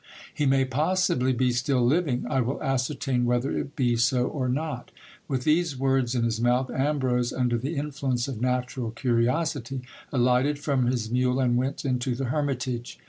He may possibly be still living ; I will ascertain whether it be so or not. With these words in his mouth, Ambrose, under the influence of natural curiosity, alighted from his mule, and went into the hermitage.